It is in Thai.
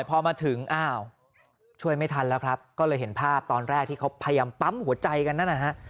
พอมาถึงอ้าวช่วยไม่ทันแล้วครับก็เลยเห็นภาพตอนแรกที่เขาพยายามปั๊มหัวใจกันนั่นนะฮะ